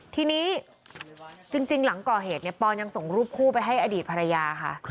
ทีนี้จริงหลังก่อเหตุปอนยังส่งรูปคู่ไปให้อดีตภรรยาค่ะ